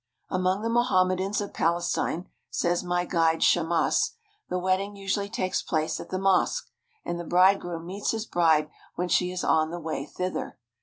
Among the Mohammedans of Palestine, says my guide Shammas, the wedding usually takes place at the mosque, and the bridegroom meets his bride when she is on the way thither.